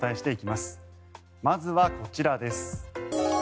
まずはこちらです。